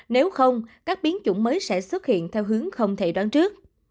nếu không các biến chủng mới sẽ xuất hiện theo hướng không thể đoán trước